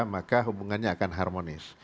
maka hubungannya akan harmonis